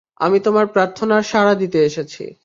আমি তোমার প্রার্থনার সাড়া দিতে এসেছি।